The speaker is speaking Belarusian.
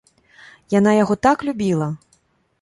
Яна яго так любіла!